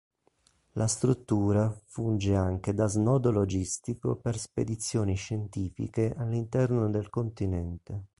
La struttura funge anche da snodo logistico per spedizioni scientifiche all'interno del continente.